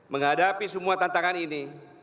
menghadapi semua tantangan ini